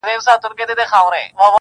د ژوندون خواست یې کوه له ربه یاره -